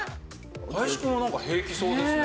林くんはなんか平気そうですね。